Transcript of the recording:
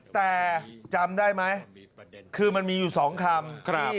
แต่จำได้ไหมคือมันมีอยู่๒คำ